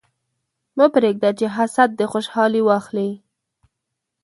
مه پرېږده چې حسد دې خوشحالي واخلي.